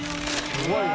すごいな。